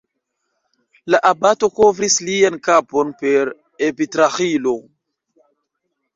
La abato kovris lian kapon per epitraĥilo.